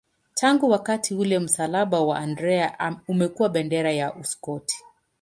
Tangu wakati ule msalaba wa Andrea umekuwa bendera ya Uskoti.